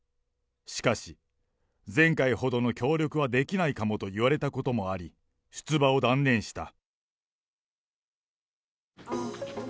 しかし、前回ほどの協力はできないかもと言われたこともあり、出馬を断念した。